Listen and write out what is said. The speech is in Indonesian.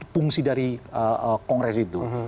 fungsi dari kongres itu